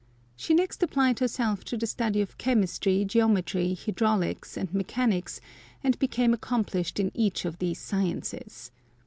She next applied herself to the study of chemistry, g eometry, hydraulics, and mechanics, and became accomplished in each of these sciences.